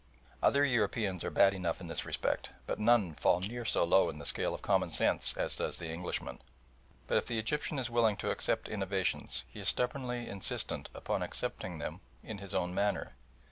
Other Europeans are bad enough in this respect, but none fall near so low in the scale of common sense as does the Englishman. But if the Egyptian is willing to accept innovations he is stubbornly insistent upon accepting them in his own manner.